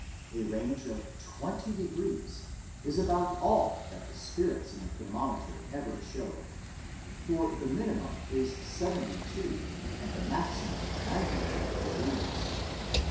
A range of twenty degrees is about all that the spirits in the thermometer ever show, for the minimum is seventy two and the maximum ninety two degrees.